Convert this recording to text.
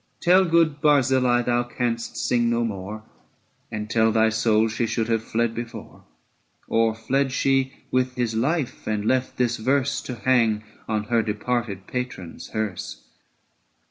Ill Tell good Barzillai thou canst sing no more, And tell thy soul she should have fled before : Or fled she with his life, and left this verse To hang on her departed patron's hearse